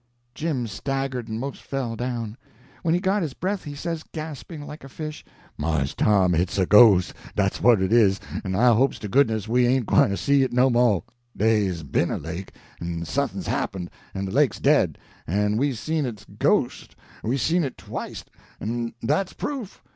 Jim staggered, and 'most fell down. When he got his breath he says, gasping like a fish: "Mars Tom, hit's a ghos', dat's what it is, en I hopes to goodness we ain't gwine to see it no mo'. Dey's been a lake, en suthin's happened, en de lake's dead, en we's seen its ghos'; we's seen it twiste, en dat's proof.